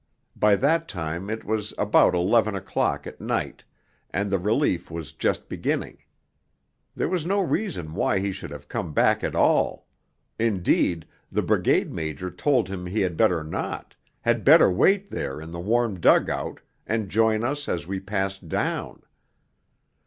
By that time it was about eleven o'clock at night, and the relief was just beginning; there was no reason why he should have come back at all; indeed, the Brigade Major told him he had better not, had better wait there in the warm dug out, and join us as we passed down.